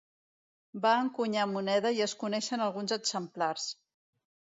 Va encunyar moneda i es coneixen alguns exemplars.